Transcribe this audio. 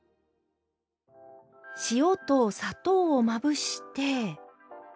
塩と砂糖をまぶして。